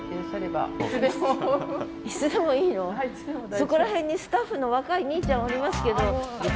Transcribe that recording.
そこら辺にスタッフの若いにいちゃんおりますけど。